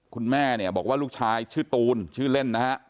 คุณแม่เนี่ยบอกว่าลูกชายชื่อตูนชื่อเล่นนะฮะ